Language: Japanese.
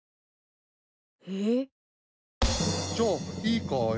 えっ？じゃあいいかい？